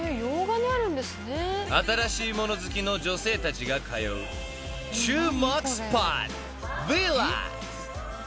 ［新しいもの好きの女性たちが通う注目スポット］